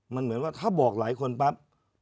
มันเหมือนว่าถ้าบอกหลายคนปั๊บ